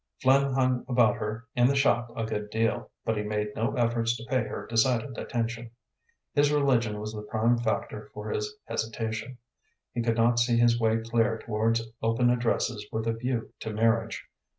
Flynn hung about her in the shop a good deal, but he had made no efforts to pay her decided attention. His religion was the prime factor for his hesitation. He could not see his way clear towards open addresses with a view to marriage.